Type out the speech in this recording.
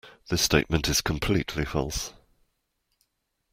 This statement is completely false.